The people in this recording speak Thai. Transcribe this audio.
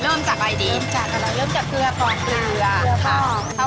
เริ่มจากอะไรด้วยเริ่มจากเกลือคลอนเกลือ